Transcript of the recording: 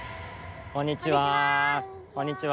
こんにちは。